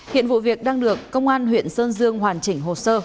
hiện vụ việc đang được công an huyện sơn dương hoàn chỉnh hồ sơ